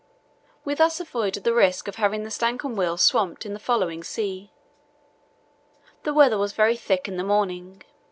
We thus avoided the risk of having the Stancomb Wills swamped in the following sea. The weather was very thick in the morning.